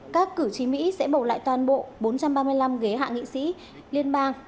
các cử tri mỹ sẽ bầu lại toàn bộ bốn trăm ba mươi năm ghế hạ nghị sĩ liên bang